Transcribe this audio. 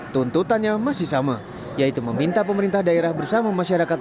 tuntutannya masih sama yaitu meminta pemerintah daerah bersama masyarakat